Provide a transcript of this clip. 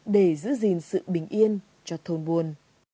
để giữ gìn sự bình yên cho thôn buồn